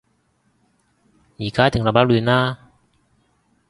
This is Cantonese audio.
而家一定立立亂啦